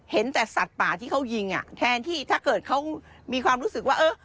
เห็นแต่สัตว์ป่าที่เขายิงอ่ะแทนที่ถ้าเกิดเขามีความรู้สึกว่าเออ